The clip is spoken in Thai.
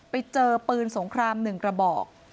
ไปเจอปืนสงคราม๑กระบอก